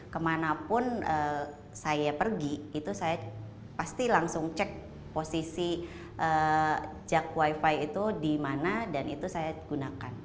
kemanapun saya pergi itu saya pasti langsung cek posisi jak wifi itu di mana dan itu saya gunakan